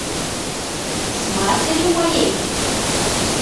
С матерью моей?..